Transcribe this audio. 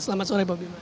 selamat sore pak bimas